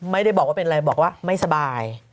ไม่ได้บอกว่าเป็นอะไรบอกว่าไม่สบาย